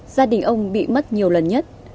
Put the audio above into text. gia đình ông bị mất nhiều lần nhất